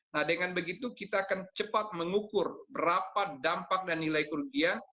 nah dengan begitu kita akan cepat mengukur berapa dampak dan nilai kerugian